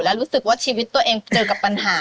และรู้สึกว่าชีวิตตัวเองเจอกับปัญหา